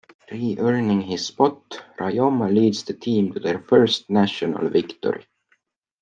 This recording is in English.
Re-earning his spot, Ryoma leads the team to their first national victory.